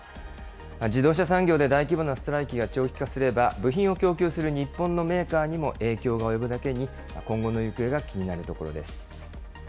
自動車産業で大規模なストライキが長期化すれば、部品を供給する日本のメーカーにも影響が及ぶだけに、今後の行方が気になるところです。